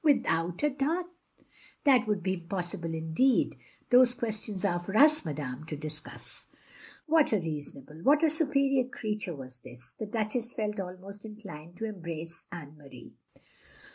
" without a dot t That would be impossible in deed! These questions are for us, madame, to discuss. " What a reasonable, what a superior creature OF GROSVENOR SQUARE 367 was this! The Duchess felt ahnost inclined to embrace Anne Marie.